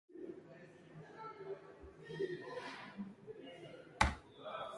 The cyclic rate can be altered by installing different bolts and recoil springs.